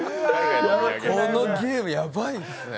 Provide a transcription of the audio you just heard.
このゲーム、ヤバいっすね。